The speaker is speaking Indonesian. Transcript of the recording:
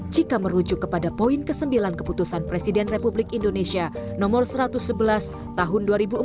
jika merujuk kepada poin ke sembilan keputusan presiden republik indonesia nomor satu ratus sebelas tahun dua ribu empat